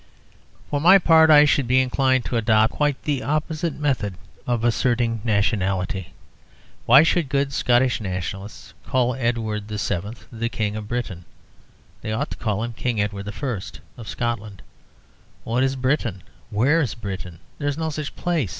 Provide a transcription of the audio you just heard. For my part, I should be inclined to adopt quite the opposite method of asserting nationality. Why should good Scotch nationalists call Edward VII. the King of Britain? They ought to call him King Edward I. of Scotland. What is Britain? Where is Britain? There is no such place.